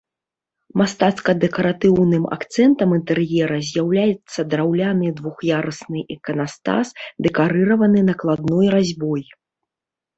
Мастацка-дэкаратыўным акцэнтам інтэр'ера з'яўляецца драўляны двух'ярусны іканастас, дэкарыраваны накладной разьбой.